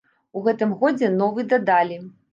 У гэтым годзе новы дадалі.